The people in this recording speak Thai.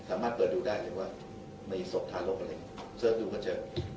สามารถเปิดดูได้เลยว่าในศพทารกอะไรเสื้อดูก็เจอ